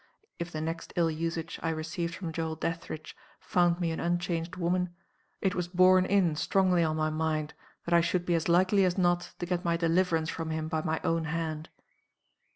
If the next ill usage I received from Joel Dethridge found me an unchanged woman, it was borne in strongly on my mind that I should be as likely as not to get my deliverance from him by my own hand.